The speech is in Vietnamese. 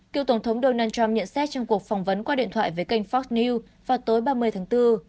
cựu tổng thống donald trump nhận xét trong cuộc phỏng vấn qua điện thoại với kênh fox news vào tối ba mươi tháng bốn